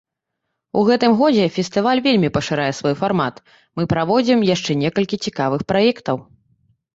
У гэтым годзе фестываль вельмі пашырае свой фармат, мы праводзім яшчэ некалькі цікавых праектаў.